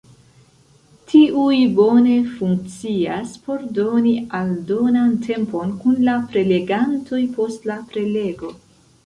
Tiuj bone funkcias por doni aldonan tempon kun la prelegantoj post la prelego.